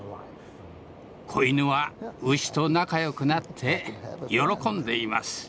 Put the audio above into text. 子犬は牛と仲良くなって喜んでいます。